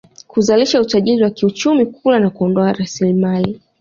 kuzalisha utajiri wa kiuchumi kula na kuondoa rasilimali